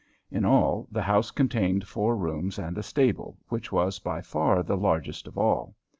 In all, the house contained four rooms and a stable, which was by far the largest of all.